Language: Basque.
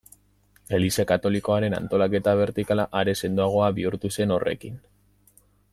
Eliza Katolikoaren antolaketa bertikala are sendoagoa bihurtu zen horrekin.